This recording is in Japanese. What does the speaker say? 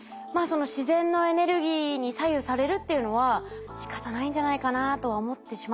その自然のエネルギーに左右されるっていうのはしかたないんじゃないかなとは思ってしまいますけどね。